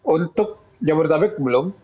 untuk jabodetabek belum